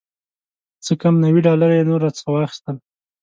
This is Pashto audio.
څه کم نوي ډالره یې نور راڅخه واخیستل.